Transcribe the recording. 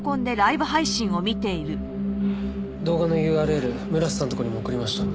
動画のＵＲＬ村瀬さんのところにも送りました。